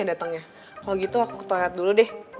datangnya kalau gitu aku ke toilet dulu deh